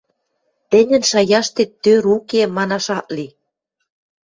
— Тӹньӹн шаяштет тӧр уке, манаш ак ли...